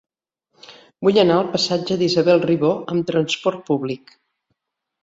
Vull anar al passatge d'Isabel Ribó amb trasport públic.